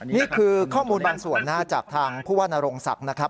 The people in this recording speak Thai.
นี่คือข้อมูลบางส่วนนะฮะจากทางผู้ว่านโรงศักดิ์นะครับ